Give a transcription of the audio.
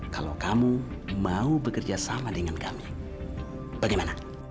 kalau kamu mau bekerja sama dengan kami bagaimana